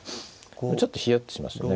ちょっとヒヤッとしますね